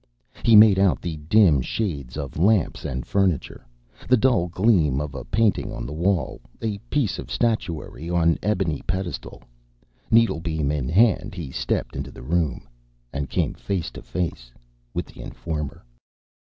He made out the dim shades of lamps and furniture, the dull gleam of a painting on the wall, a piece of statuary on an ebony pedestal. Needlebeam in hand, he stepped into the next room. And came face to face with the informer.